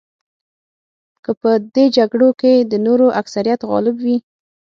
که په دې جګړو کې د نورو اکثریت غالب وي.